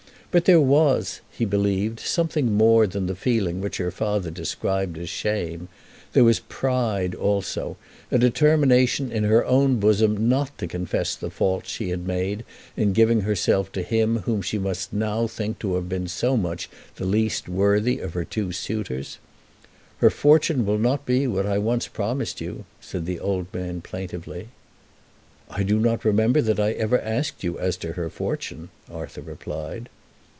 But there was, he believed, something more than the feeling which her father described as shame. There was pride also; a determination in her own bosom not to confess the fault she had made in giving herself to him whom she must now think to have been so much the least worthy of her two suitors. "Her fortune will not be what I once promised you," said the old man plaintively. "I do not remember that I ever asked you as to her fortune," Arthur replied.